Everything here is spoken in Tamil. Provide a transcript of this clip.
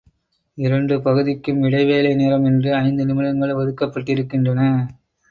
இரண்டு பகுதிக்கும் இடைவேளை நேரம் என்று ஐந்து நிமிடங்கள் ஒதுக்கப்பட்டிருக்கின்றன.